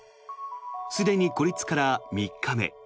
すでに孤立から３日目。